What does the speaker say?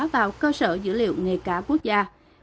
vào cơ sở dữ liệu nghề cá quốc gia